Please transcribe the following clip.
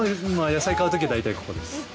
野菜買う時は大体ここです。